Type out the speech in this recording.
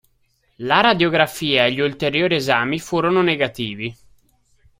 La radiografia e gli ulteriori esami furono negativi.